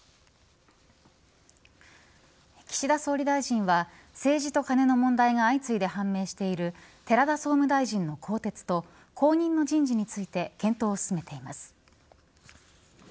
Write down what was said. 岸田総理大臣は政治とカネの問題が相次いで判明している寺田総務大臣の更迭と後任の人事について検討を進めています。